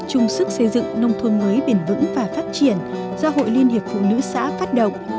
chung sức xây dựng nông thôn mới biển vững và phát triển do hội liên hiệp phụ nữ xã phát động